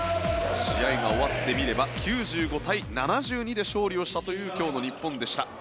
試合が終わってみれば９５対７２で勝利したという今日の日本でした。